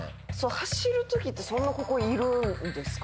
走るときってそんなここいるんですか？